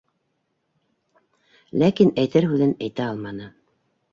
Ләкин әйтер һүҙен әйтә алманы.